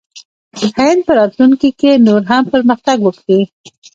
هند به په راتلونکي کې نور هم پرمختګ وکړي.